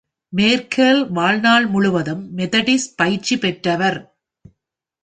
Merkel வாழ்நாள் முழுவதும் Methodist பயிற்சி பெற்றவர்.